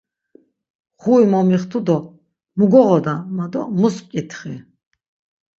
Xui momixtu do 'mu goğoda' ma do mus p̌ǩitxi.